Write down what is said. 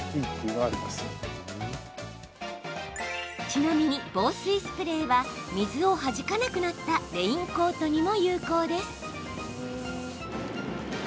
ちなみに、防水スプレーは水をはじかなくなったレインコートにも有効です。